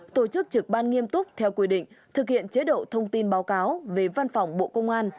tổ chức trực ban nghiêm túc theo quy định thực hiện chế độ thông tin báo cáo về văn phòng bộ công an